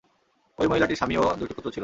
ঐ মহিলাটির স্বামী ও দুইটি পুত্র ছিল।